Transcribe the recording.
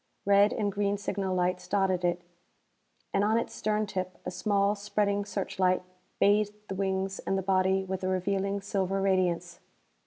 Red and green signal lights dotted it, and on its stern tip a small, spreading searchlight bathed the wings and the body with a revealing silver radiance.